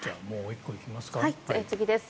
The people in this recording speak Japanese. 次です。